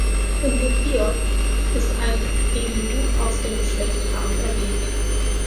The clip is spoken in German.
Im Buch Hiob ist ein Elihu aus dem Geschlecht Ram erwähnt.